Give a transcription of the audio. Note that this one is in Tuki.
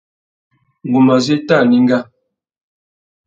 Ngu má zu éta anenga.